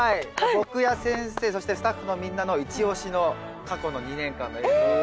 僕や先生そしてスタッフのみんなのイチオシの過去の２年間の映像が。